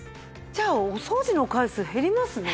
じゃあお掃除の回数減りますね。